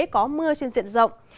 có mưa trên diện rộng